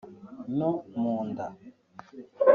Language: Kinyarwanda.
no mu nda